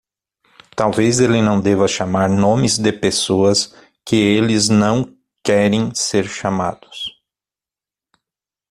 Talvez ele não deva chamar nomes de pessoas que eles não querem ser chamados.